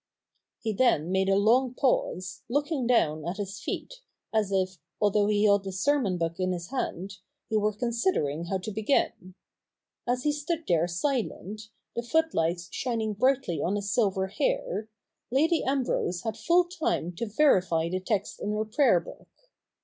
He then made a long pause, looking down at his feet, as if, although he held his sermon book in his hand, he were considering how to begin. As he stood there silent, the footlights shining brightly on his silver hair. Lady Ambrose had full time to verify the text in her prayer book.